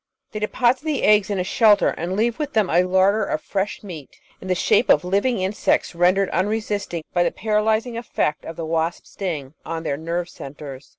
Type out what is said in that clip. They deposit the eggs in a shelter and leave with them a larder of fresh meat, in the shape of living insects rendered unresisting by the paralysing eflfect of the wasp's sting on their nerve centres.